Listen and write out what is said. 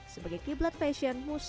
sebagai kiblat fashion musuh